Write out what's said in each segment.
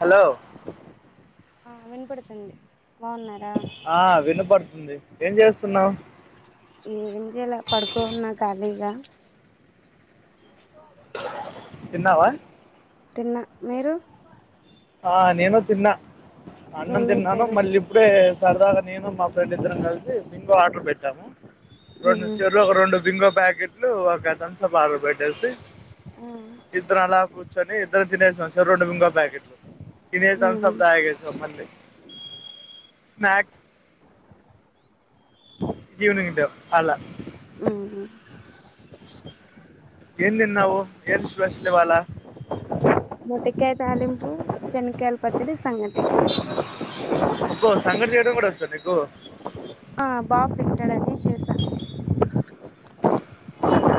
Hello ఆ వినపడుతుంది బాగున్నార? ఆ వినపడుతుంది. ఏం చేస్తున్నవ్? ఏం జేల పడుకోన్న కాళిగా తిన్నావ? తిన్న, మీరు? ఆ నేను తిన్నా, అన్నం ఏం తిన్నాను చేశారు మళ్ళీ ఇప్పుడే సరదాగా నేను మా ఫ్రెండ్ ఇద్దరం కలిసి బింగో ఆర్డర్ పెట్టాము. రెండు ఉహు చెరో ఒక రెండు బింగో ప్యాకెట్లు ఒక తమ్స్ అప్ బాటిల్ పెట్టేసి ఆ ఇద్దరం అలా కూర్చొని ఇద్దరం తినేసి వచ్చాం రెండు బింగో ప్యాకెట్లు, తిని ఉహు తుమ్సప్ త స్నాక్స్ అలా మ్ హు ఏం తిన్నావు ఎం స్పెషల్ ఇవ్వాళ మొట్టికాయ తాళింపు శెనక్కాయల పచ్చడి సంగటి అబ్బో సంఘటి చేయడం కూడా వచ్చా నికు ఆ బాబు తింటాడని చేసాను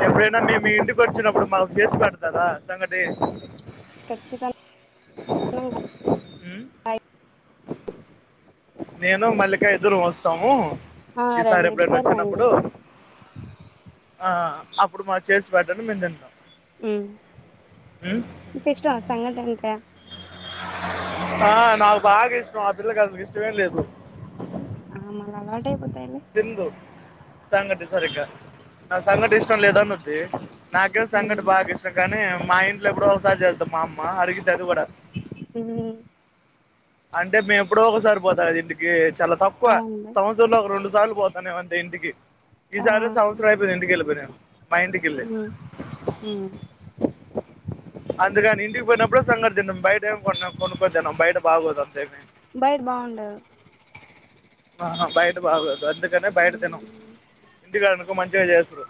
ఎప్పుడైనా మేము మీ ఇంటికి వచ్చినప్పుడు మాకు చేసి పెడుతారా సంగటి ఖచ్చితంగా ఉం? నేను మల్లికా ఇద్దరం వస్తాము ఆ ఈ సార్ రండి ఎప్పుడన్న ఇద్దరు రండి వచ్చినప్పుడు ఆ ఆ అప్పుడు మాకు చేసి పెట్టండి మేము తింటం మ్ మిక్ ఇష్టంమ సంగటి అంటే ఆ నాకు బాగా ఇష్టం అ పిల్లకి అసలు ఇష్టమే లేదు మ్ ఆ మళ్ళ అలవాటైపోతాయి లే తీందు సంఘటి సరిగ నాక్ సంఘటి ఇష్టం లేదనిద్ధి నాకేమొ సంఘటి ఉమ్ బాగా ఇష్టం కానీ మా ఇంట్లో ఎప్పుడో ఒకసారి చేస్తాది మా అమ్మ అడిగితె అది కూడా మ్ అంటే మేము ఎప్పుడో ఒకసారి పోతా కద ఇంటికి చాలా తక్కువ అవునులే సం త్సరంలో ఒక రెండు సార్లు పోతనేమో అంతే ఇంటికి ఈ ఆ సారి సంవత్సరం అయిపోయింది ఇంటికేళ్ళిపోయి నిను మా ఇంటికేళ్ళి మ్ అందుకని ఇంటికి పోయినప్పుడు సంగటి తింటాం బయట ఏం కొన్న కొనుక్కోని తినం బయట బాగోదు అంతేమీ బయట బాగుండదు ఆ బయట బాగోదు వద్దు నే బయట తినం ఉమ్ ఇంటికాడనుకో మంచిగా చేయొచ్చుగా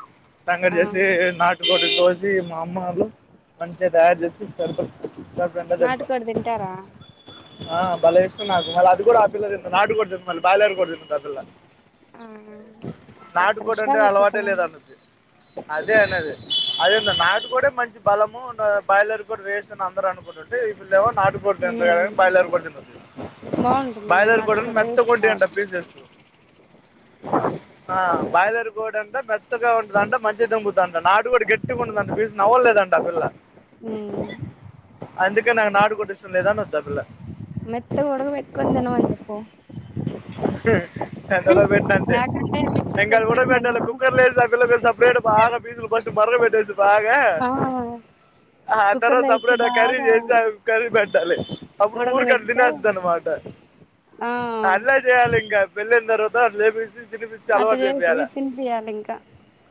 సంగటి ఆ చేసి నాట్ కోడి కోసి మా అమ్మ వాళ్ళు మంచిగా తయారు చేసిస్తరు కడుపునిండా తింటాం నాటుకోడి తింటారా ఆ బలే ఇష్టం నాకు మళ్ళ అది కూడా ఆ పిల్ల తిందు నాడు కొడి తిందు మళ్ళి బైలేరు కొడి తింటాది ఆ పిల్ల ఆ ఒక్కొక్కరి నాటుకోడి అంటే ఇష్టాలు అలవాటే ఒక్కొక్కలా లేదనిద్ది అదే అనేది అదెందో నాటు కోడె మంచి బలము బాయిలేర్ కోడి వేస్ట్ అని అందరు అనుకుంట్ టే ఈ పిల్లేమో నాటు కొడి తిందు బాయిలర్ కొడి తినుద్ది బాగుంటుంది బాయిలర్ కొడున్ నాటుకోడి నట్ టేస్ట్ ఉంటాయంట బాగుంటుంది పీసెస్ ఆ బాయిలేర్ కొడంట మెత్తగా ఉంటదంట మంచిగ దంగు ద్దాంట నాటు కోడి గట్టిగుంటదంట పీస్ నవ్వలేదంట అ పిల్ల అందుకే నాకు నాటు కోడి ఇష్టం లేదనిద్ది ఆ పిల్ల మెత్తగ ఉడక పెట్టుకొని తినమని చేప్ హు సండే రోజు పెట్టిన అంతే లేకుంటే మిక్సీ ఇంకా అది ఉడక కొట్టుకొని పెట్టాలి తినమను కుక్కర్ లేసి ఆ పిల్లకు సపరేట్ బాగ్ ఫస్ట్ మరుగ పెట్టేసి బాగా ఆ ఆ కుక్కర్ తరువాత లో వేసి సపరేట్ గ కరీ బాగా చేస్ కరి పెట్టాలి అప్పుడు ఊరు కన్ ఉడకబెడితే తినేస్తదన్నమాట ఆ అట్లనే చేయాలి ఇంకా పెళ్ళయిన తర్వాత లేపిస్ తినిపిచ్చి అట్ట అలవాటు చేసి చెపియాలే తినిపియాలి ఇంకా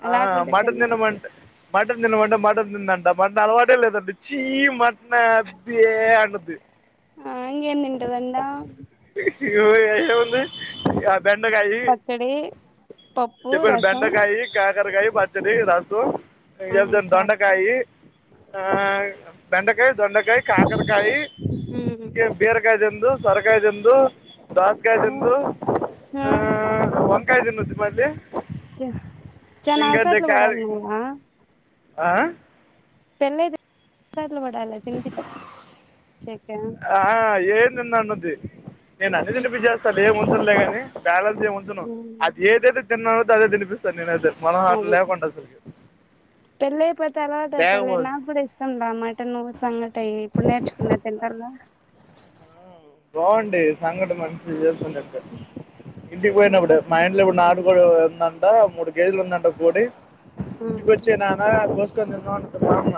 ఆ లేకుంటే మటన్ తినదు తినమంటే మటన్ తినమంటే మటన్ తిందంట మటన్ అలవాటే లేదండి చీ మటన బె అంటుంది ఆ ఇంగేం తింటదన్నా ఇయ్యో ఏడ ఉంది [inaudible] బెండకాయి పచ్చడి పప్పు చెప్పేను రసం బెండకాయి కాకరకాయి బ త్తిరి రసు ఆ ఎప్తాను చాలు దొండకాయి ఆ బెండకాయ దొండకాయ కాకరకాయి ఊమ్ కే బీరకాయ తిందు సొరకాయ తిందు దోసకాయ ఉమ్. దిందు ఆ ఊ వంకాయ దినుద్ది మళ్ళీ చ చానా అగసాట్లు పడాలి నువ్వా ఆ పెళ్ళైయ్యాకే [unintelligible] చాట్లు పడాల తిన్పి చ్చేకా ఆ ఏం తిన్ను అనుద్ది నేను అన్నీ తినిపించేస్తాను ఏం ఉంచనులే కానీ బ్యాలెన్స్ ఏం ఉంచను అది ఏదైతే తిన్నవుద్దు అదే తినిపిస్తారు నేను అదే మనహాటం అది లేకుండా అసలుకి పెళ్ళయిపోతే అలవాటు అయితాయిలే నాకు కూడా ఇస్ ష్టం లా మటను సంగటి ఇప్పుడు నేర్చుకున్నా తింటాల్లా బావుండి సంగటి మంచిగా చేసుకుంటే హ ఇంటికి పోయినప్పుడు మా ఇంట్లో ఇప్పుడు నాటు కోడి ఉందంట మూడు కేజీలు ఉందంట కోడి ఇంటికొచ్చేయి నాన్నా కోస్కోని తిందాం అంటది మా అమ్మ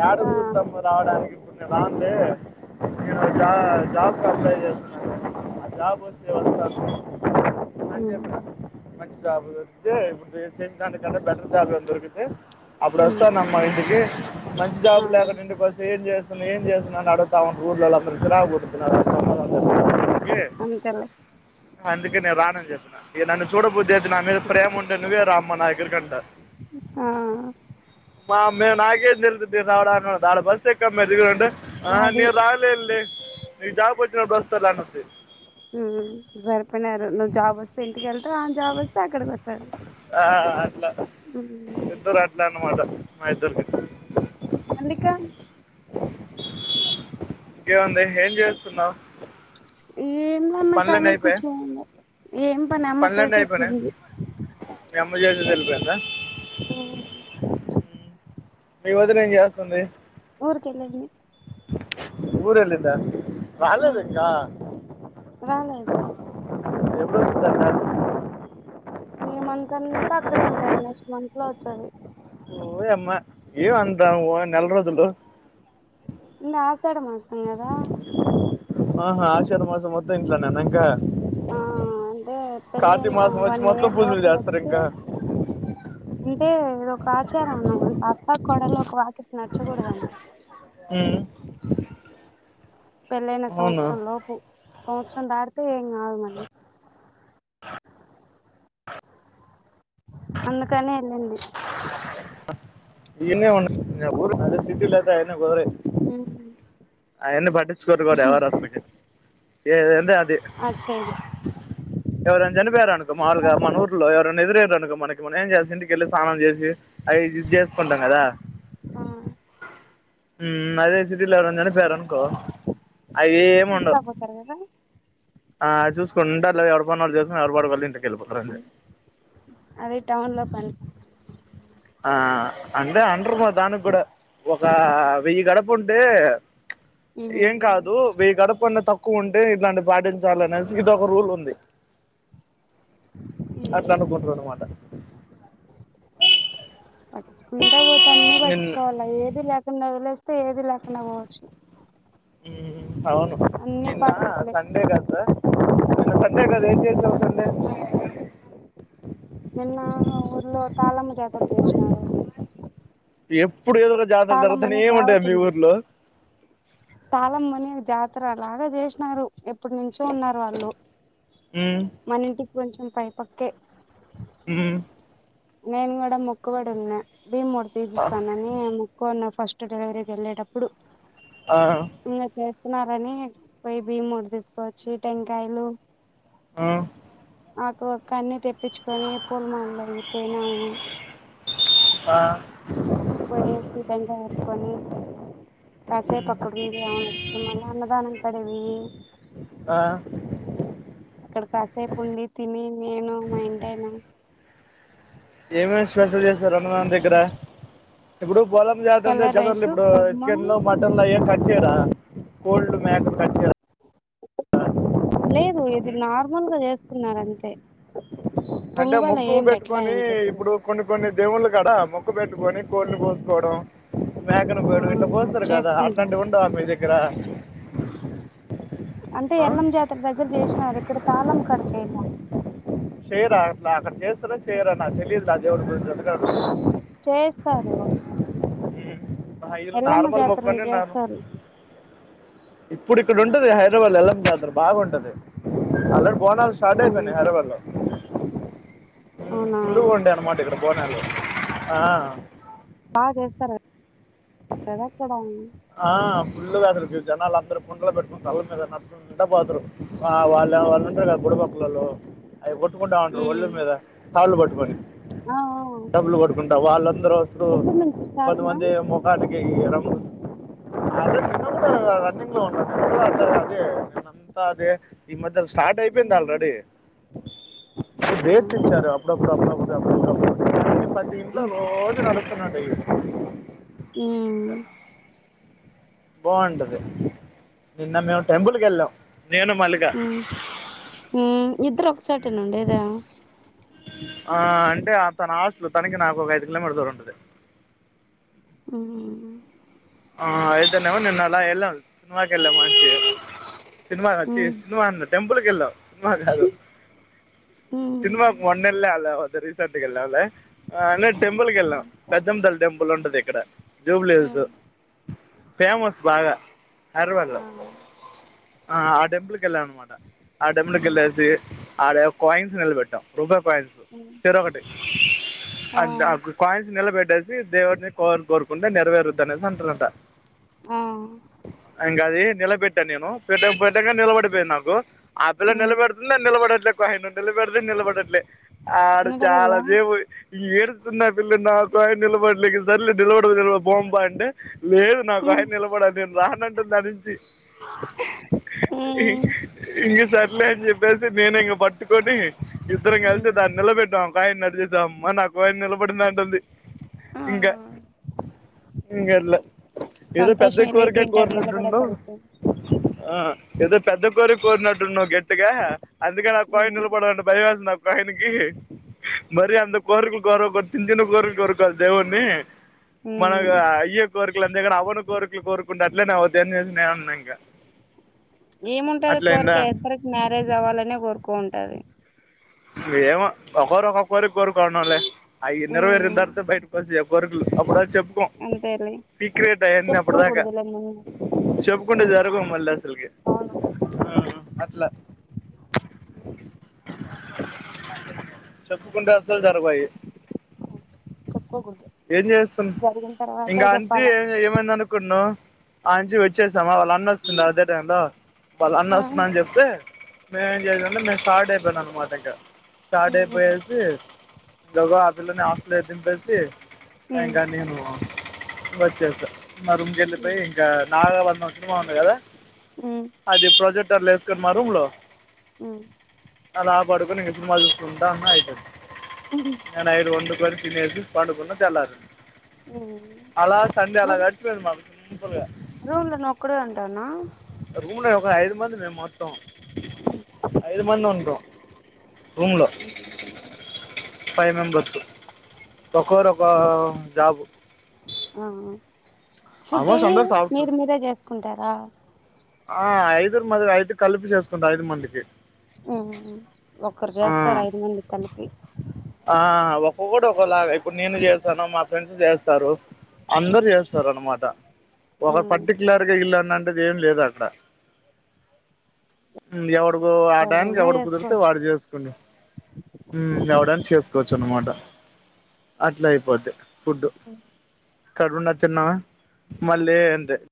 యాడ ఆ కుదురుతాం మా రావడానికి ఇప్పుడు నేను రానులే జా జాబ్ కు అప్లై చేసుకున్నా [inaudible] ఆ జాబ్ వచ్చే వరకూ [inaudible] అని జెప్పా మంచి జాబ్ దొరికితే ఇప్పుడు చేసినదానికన్నా బెటర్ జాబ్ గానీ దొరికితే అప్పుడు వస్తానమ్మా ఇంటికి మంచి ఆ జాబ్ లేకుండా ఇంటికొచ్చి ఏం చేస్ [unintelligible] ఏం చేస్తున్నావ్ అని అడుగుతా ఉంటారు ఊర్లో వాళ్ళు అందరూ చిరాకు పుట్టుద్ది నాకు [inaudible] కే అంతేలే అందుకే నేను రాను అని చెప్పి ఇగ నన్ను చూడబుద్ది అయిద్ది నా మీద ప్రేమ ఉంటే నువ్వే రా అమ్మ నా దగ్గరికి అంట ఆ మా అమ్మే నాకేం తెలుతద్ది రావడాను ఆడ బస్సు ఎక్కు అమ్మ ఈడ దిగు అంటే ఆహా అది నేను రా లేను లే నీకు జాబ్ వచ్చినప్పుడు వస్తానులే అనుద్ది ఊ సరిపోయినారు నువ్వు జాబ్ వస్తే ఇంటికెళ్తావ్ ఆమె జాబ్ వస్తే అక్కడకి వస్తాది ఆ అట్లా ఇద్దరూ అట్లా అన్నమాట మా ఇద్దరుకి మల్లిక ఇంకేం ఉంది ఏం చేస్తున్నావ్ ఏం లా అన్నా ఖాళీ అయిపోయాయి కూర్చో ఉన్నా ఏం పని అమ్మ పనులన్నీ చేసేసి అయిపోయినాయి పింది మీ అమ్మ చేసేది వెళ్ళిపోయిందా ఊ ఉమ్. మీ వదిన ఏం చాస్తుంది ఊరికెళ్ళింది ఊరెళ్ళిందా రాలేదా ఇంకా రాలేదు ఎప్పుడొచ్చుది అంట ఈ మంత్ అంతా అక్కడే ఉంటాది నెక్స్ట్ మంత్ లో వచ్చాది ఓ యమ్మా ఏం అంతా ఊ నెల రోజులు ఇంగ ఆషాడ మాసం గాదా ఆహా ఆషాఢ మాసం మొత్తం ఇంట్లో నేన అంకా ఆ అంటే పెళ్ళైన మాసం వచ్చి వన్ మొత్తం ఇయర్ పూజలు లోపల చేస్తారు వస్తే ఇంకా అంటే ఇది ఒక ఆచారంను అత్త కోడలు ఒక వాకిట నడ్చకూడదంట వే పెళ్ళైన అవును సంవత్సరం లోపు సంవత్సరం దాటితే ఏం కాదు మళ్ళీ [inaudible] అందుకనే ఎళ్ళింది ఈడ్నే ఉన్న ఊరు అదే సిటీలయితే ఎన గోరే ఆయన్ని పటించుకోరు వారు ఎవరు రాస్ పెట్టే ఏ ఎందే అది అటు సైడ్ ఎవరు అయిన చనిపోయరనుకో మాములుగ ఇక్కడ మనూర్ ఎవరైనా ఎదురయ్రనుకో మనకి మనం ఏం చేసి ఇంటికెళ్ళి స్నానం చేసి అవి ఇది చేసుకుంటాం కదా హ్మ్ అదే సిటీలో ఎవరైనా చనిపోయారు అనుకో అవి ఏమి ఉండవు చూత్తబోతారు కదా ఆ చూసుకుంటారు లే ఎవరి పని వాళ్ళు చేసుకుని ఎవరు వాళ్ళ ఇంటికి వెళ్ళిపోతారు అది టౌన్లో పని ఆ అంటే అండర్ దానికి కూడా ఒక వెయ్యి గడపు ఉంటే ఉ ఏం కాదు వేయ్ గడపున్న తక్ క్కువ ఉంటే ఇట్లాంటి పాటించాలి అనేసి ఇదొక ఒక రూల్ ఉంది అట్ల అనుకుంట్ర అన్నమాట అ కుంట పోతే అన్ని నిన్న పట్టించుకోవాల ఏది లేకుండా వదిలేస్తే ఏది లేకుడా పోవచ్చు మ్ అవును అన్ని నిన్న పాటింపులే సండే గద నిన్న సండే కద ఏం చేసావ్ సండే నిన్న ఊర్లో తాళమ్మ జాతర చేసినారు ఎప్పుడు ఏదో ఒక జాతర తాళమ్మ జరుగుతానే అని ఉంటాయ మీ ఊర్లో తాళమ్మని జాతర లాగ చేసినారు ఎప్పునుంచో ఉన్నారు వాళ్ళు మ్మ్ మన ఇంటికి కొంచెం పైపక్కే ఉమ్ నేను కూడా మొక్కుబడి ఉన్నా భీముడు తీసి ఆ, ఇస్తానని ఏ మొక్కొన్న ఫస్ట్ డెలివరీకి ఎళ్ళేటప్పుడు ఆ నిన్న చేస్తున్నారని పోయి బియ్యం మూట తీసుకువచ్చి టెంకాయలు ఆ ఆకు వక్క అన్ని తెప్పించుకొని పూలమాలయ్యి పోయినాము ఆ పోయేసి టెంకాయ్ అట్టుకొని కాసేపు మ్మ్, అక్కడ ఉండి ఎవన్ నచ్చితే మళ్ళ అన్నదానం కాడ పోయి ఆ అక్కడ కాసేపు ఉండి తిని నేను మా ఇంటయినా ఏమేమి స్పెషల్ చేసారు అన్నదానం దగ్గర ఇప్పుడు పోలం జాతరంటే కలర్ జనవరిలో రైస్ ఇప్పుడు కుర్మా చికెన్లో మట్ అయ్యేం కట్ చేయర కోళ్ళు మేకలు కట్ చెయర లేదు ఇది మ్మ్? నార్మల్గా చేస్తున్నరు అంతే అంటే పొంగు వల్ల మొక్కు ఏం పెట్టలే పెట్టుకొని ఇంకెప్పుడు ఇప్పుడు కొన్ని కొన్ని దేవుళ్ళ కాడ మొక్కు పెట్టుకొని కోళ్ని కోసుకోవడం మేకను ఆ కోయడం ఇట్లా కోస్తరు కదా చేసుకుంటాం అట్లాంటివి ఉండవా మీ దగ్గర అంటే ఆ? ఎల్లం జాతర దగ్గర చేసినారు ఇక్కడ తాళం కాడిచేలా చేయరా అట్లా అక్కడ చేస్తార చేయరా నాకు తెలియదు ఆ దేవుడి గురించి అందుకే అడుగుతున్న చేస్తారు ఉమ్. నా ఇల్లు ఎల్లమ్మ నార్మల్ జాతరను మొక్కని నేను చేస్తారు ఇప్పుడు ఇక్కడ ఉంటుది హైదరాబాద్ ఎళ్ళం జతరు బాగుంటది ఆల్రెడీ బోనాల్ స్టార్ట్ ఉమ్ అయిపోయినాయి హైదరాబాదులో అవునా ఫుల్లుగుండె అనమాట ఇక్కడ బోనాలు ఆ బా చేస్తారు కదక్కడ ఆ ఫుల్లుగ అసలు జనాలు అందరు కుండలు పెట్టుకుని తళ్ల మీద నడుచుకుండపోతరు ఆ వాళ్ళు వాళ్ళు ఉంటారు కదా బుడబుక్కలోళ్ళు అవి కొట్టుకుంటూ ఉంటారు ఒళ్ళు మీద కాళ్ళు పట్టుకొని ఆ ఆ డబ్బులు కొట్టుకుంటా వాళ్ళందరూ ఇప్పు ఎప్పుడు నుంచి స్టార్ట్ పది నా మంది ముఖానికి కి రంగు అదే నిన్న కూడా కూడా రన్నింగ్ లో ఉన్న అ అదే నిన్న అంతా అదే ఈ మధ్యల స్టార్ట్ అయిపోయింది ఉమ్ ఆల్రెడీ రు హ్మ్ అప్పుడప్పుడు అప్పుడప్పుడు అప్పుప్పుడు అన్ని ప్రతి ఇంట్లో హ్మ్ రోజు నడుస్తూనే ఉంటాయి ఉ బాగుంటది నిన్న మేము టెంపుల్ కెళ్ళాం నేను మల్లిక హ్మ్ ఇద్దరు ఒక చోటే నుండేదా ఆ అంటే తన హాస్టల్ తనకి నాకు ఒక ఐదు కిలోమీటర్ దూరం ఉంటది అ ఆ అయిదనేేవా నిన్న అలా ఎల్లాం సినిమాకి ఎల్లం మంచి సినిమాచ్చి హ్మ్ సినిమా అన్న టెంపుల్కెళ్ళాం సినిమా కాదు హ్మ్ సినిమా మొన్నేళ్లం అలా అద రీసెంట్ వెళ్ళంలే అ అ హ్మ్ టెంపుకెల్ళం పెద్దమ్మ తల్లి టెంపుల్ ఉంటది ఇక్కడ జూబ్లీ హిల్స్ హ్మ్. ఫేమస్ బాగా హైదరాబాద్ లొ ఆ! ఆ ఆ టెంపుల్ కెల్లన్న మాట ఆ టెంపుల్ కి హ్మ్ వెళ్ళేసి ఆడేమో కాయిన్స్ నిలబెట్టాం రూపాయ పాయింట్స్ హ్మ్ చెరోకటి అ ఆ కాయిన్స్ నిలబెట్టేసి దేవుడిని కోరు కోరుకుంటే నెరవేరుద్ అనేసి అంటారంట ఆ ఇంకాది నిలబెట్టాను నేను పెట్ట పెట్టక నిలబడిపోయాను నాకు ఆపిల్ల హ్మ్ నిలబెడుతుంది అని నిలబడట్లే కాయిన్ నిలబెడుతుంది నిలబడట్లే ఆడు చాలా నిలబడలా? సేపు ఈ ఏరుస్తున్న పిల్ల నాకాయన్ నిలబడలే సర్లే నిలబడలే నిలబడా పొంప అంటే లేదు హ్మ్ నాకాయన నిలబడాలి నేను రానంటుంది దనించి హ్మ్ ఇంగ సర్లే చెప్పసి నేను ఇ పట్ కొని ఇద్దరం హ్మ్ కల్సి దాన్ని నిలబెట్టాం ఒక ఆయన నడిచేసి దమ్మా నాకు ఆయన నిలబడింద అంటుంది ఆ! ఇంకా కర్ల ఏదో పెద్ద సంతోషం కోరిక ఎలిగిపోయింటాది కోర్లంటన్నావ్ నిలబడేసరికి. ఆ ఏదో పెద్ద కోరి కోరినట్టున్న వ్ గట్టిగా అందుకే నా కోయిన్ హ్మ్ నిలబడంట భయమేసింది ఆ కాయిన్ కి మరి అంత కోరికలు కోర కొ చిన్న చిన్న కోరకలు కొరకా దేవున్ని హ్మ్ మనమిక అయ్యే కోరికలు అంతేకని అవను కోరికలు కోరుకుంటఅట్లే నే అవ్వుద్ధి అనేసి నే అన్నా ఇంకా ఏముంటది కోరిక అట్లయిందా ఎప్పటికి మ్యారేజ్ అవ్వాలని కోరుకో ఉంటది ఏమో ఒక్కోరు ఒక్కొక్క కోరిక కోరుకున్నలే ఆ ఇన్నర్ వేర్‌‌ని హ్మ్ దాటితే బయటకు వచ్చి చె కోరిక్లు అప్పుడు వరకు చెప్పుకో అంతేలే సీక్రెట్ ఆయన్ని అప్పుడుదాక్క చెప్పుకోకూడదులే ముందు చెప్పుకుంటే జరగవు మళ్లీ అసలుకి అవును ఉమ్మ్ అట్లా చెప్పుకుంటే అసలు జ గవు అయి చెప్పుకోకూడదు ఏం చేస్తాన్ జరిగిన తర్వాతే ఇంగా అంతే చెప్పాలా ఏమైంది అనుకున్నా అనుంచి వచ్చేసామా వాళ్ళు అన్న వస్తుండ అదే టైంలో వాళ్ళ అన్న ఆ వస్తున్నాని చెప్తే నేనేం చేశామంటే మేము స్టార్ట్ అయిపోయాం అనమాట ఇంకా స్టార్ట్ ఉమ్ అయిపోయేసి అంతలోగా ఆ పిల్లని హాస్టల్లో దింపేసి ఇంకా నేను వచ్చేసా మా రూమ్‌కి ఎళ్ళిపోయి ఉమ్ ఇంకా నాగబంధం సినిమా ఉంది కదా ఉమ్మ్ అది ప్రొజెక్టర్లో ఏసుకుని మా రూమ్‌లో ఉమ్మ్ అలా పడుకుని ఇంగ సినిమా చూసుకుంటా ఉన్నా అయిపో ఉఉమ్మ్ ఇంగ నైటు వండుకొని తినేసి పండుకున్న తెల్లారింది అలా సండే అలా గడిచిపోయింది మాకు సింపుల్‌గా రూమ్‌లో నువ్ ఒక్కడివే ఉంటాన్న రూమ్‌లో ఒక ఐదు మంది మేం మొత్తం ఐదు మంది ఉంటం మ్మ్ఉమ్మ్ ఫైవ్ మెంబర్స్ ఒక్కోరు ఒక్కో జాబు ఆఆ ఫుడ్ ఆల్మోస్ట్ అయ్యి అందరు సాఫ్ట్ మీరు మీరే చేసుకుంటారా ఆ ఐదురు మది ఐదు కలిపి చేేసుకుంటా ఐదు మందికి ఉమ్మ్ ఒకరు ఆ, చేస్తారు ఐదు మందికి కలిపి ఆ ఒక్కొక్కడు ఒక్కోలాగా ఇప్పుడు నేను చేస్తాన్న మా ఫ్రెండ్స్ చేస్తారు అందరు చేస్తారు అనమాట ఒక పర్టిక్యులర్‌గా ఇళ్లు అన్నంటది ఏం లేదు అక్కడ ఉమ్ ఎవడుకో ఆ టైయనికి ఎవరైనా ఎవడు కుదిరితే వాడు చేసుకోవచ్చు చేసుకుని ఉమ్మ్ ఎవడ చేసుకోవచ్చు అనమాట అట్లా అయిపోద్ది ఫుడ్డు పడుకునిండా తిన్నామా మళ్ళీ అంతే